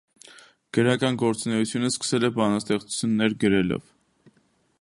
Գրական գործունեությունը սկսել է բանաստեղծություններ գրելով։